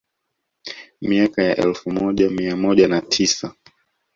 Miaka ya elfu moja mia moja na tisa